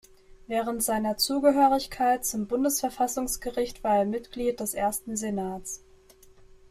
Während seiner Zugehörigkeit zum Bundesverfassungsgericht war er Mitglied des ersten Senats.